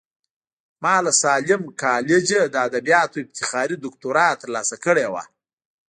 ما له ساليم کالجه د ادبياتو افتخاري دوکتورا ترلاسه کړې وه.